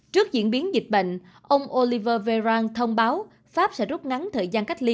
trước diễn biến dịch bệnh ông oliver verang thông báo pháp sẽ rút ngắn thời gian cách ly